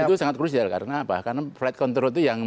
itu sangat krusial karena flight control itu yang